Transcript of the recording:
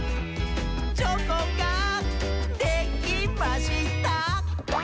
チョコンができました」